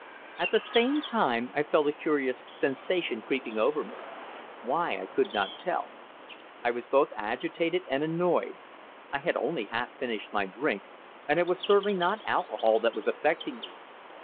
At the same time I felt a curious sensation creeping over me. Why I could not tell. I was both agitated and annoyed. I had only half finished my drink, and it was certainly not alcohol that was affecting me.